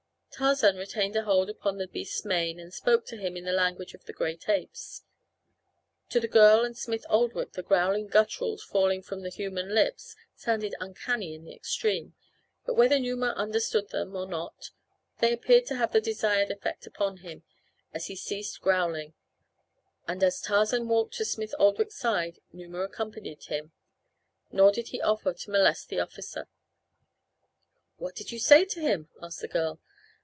Tarzan retained a hold upon the beast's mane and spoke to him in the language of the great apes. To the girl and Smith Oldwick the growling gutturals falling from human lips sounded uncanny in the extreme, but whether Numa understood them or not they appeared to have the desired effect upon him, as he ceased growling, and as Tarzan walked to Smith Oldwick's side Numa accompanied him, nor did he offer to molest the officer. "What did you say to him?" asked the girl.